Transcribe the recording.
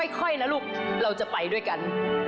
ค่อยนะลูกเราจะไปด้วยกัน